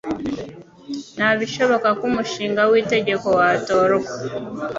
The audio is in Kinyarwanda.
Nta bishoboka ko umushinga w'itegeko watorwa.